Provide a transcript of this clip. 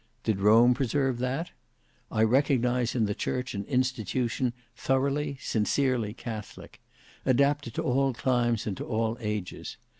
Did Rome preserve that? I recognize in the church an institution thoroughly, sincerely, catholic: adapted to all climes and to all ages.